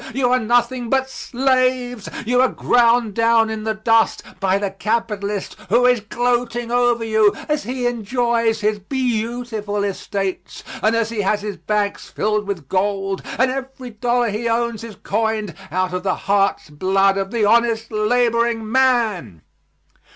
You are nothing but slaves; you are ground down in the dust by the capitalist who is gloating over you as he enjoys his beautiful estates and as he has his banks filled with gold, and every dollar he owns is coined out of the hearts' blood of the honest laboring man."